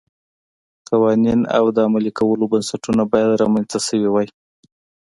قوانین او د عملي کولو بنسټونه باید رامنځته شوي وای.